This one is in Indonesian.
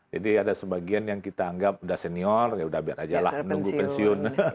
jadi ada sebagian yang kita anggap sudah senior ya sudah biar saja lah menunggu pensiun